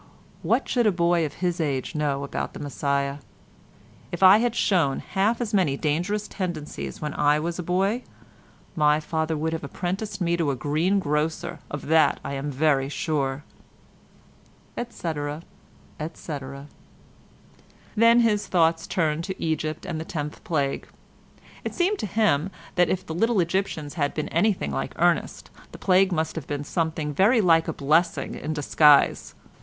What should a boy of his age know about the 'Messiah'? If I had shown half as many dangerous tendencies when I was a boy, my father would have apprenticed me to a greengrocer, of that I'm very sure," etc., etc. Then his thoughts turned to Egypt and the tenth plague. It seemed to him that if the little Egyptians had been anything like Ernest, the plague must have been something very like a blessing in disguise.